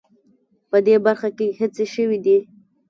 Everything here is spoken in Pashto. په دې برخه کې هڅې شوې دي